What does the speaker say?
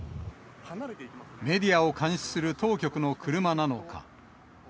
メディアを監視する当局の車なのか。